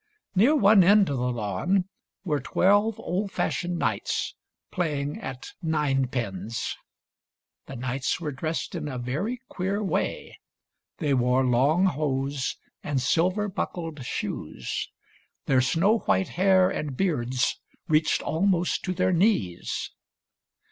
Near one end of the lawn were twelve old fashioned knights playing at ninepins. The knights were PETER KLAUS THE GOATHERD 22() dressed in a very queer way. They wore long hose and silver buckled shoes. Their snow white hair and beards reached almost to their knees.